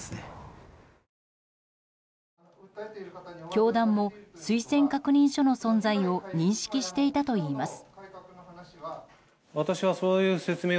教団も、推薦確認書の存在を認識していたといいます。